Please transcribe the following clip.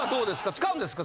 使うんですか？